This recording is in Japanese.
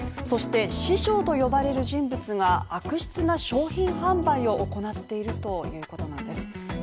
そして師匠と呼ばれる人物が悪質な商品販売を行っているということなんです。